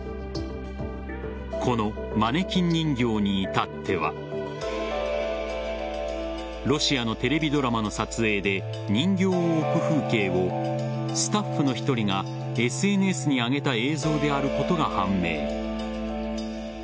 このマネキン人形に至ってはロシアのテレビドラマの撮影で人形を置く風景をスタッフの１人がＳＮＳに上げた映像であることが判明。